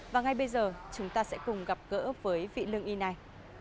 và ngay bây giờ chúng ta sẽ cùng gặp gỡ với vị lương y này